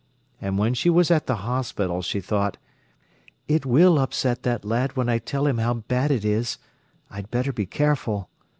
And when she was at the hospital, she thought: "It will upset that lad when I tell him how bad it is. I'd better be careful."